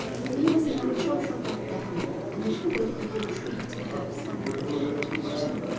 But he was an unsociable devil, and it would be a treat to have someone he could talk to.